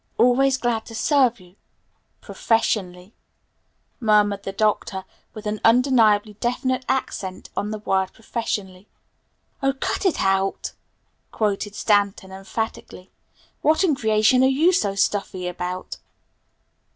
"Always glad to serve you professionally," murmured the Doctor with an undeniably definite accent on the word 'professionally'. "Oh, cut it out!" quoted Stanton emphatically. "What in creation are you so stuffy about?"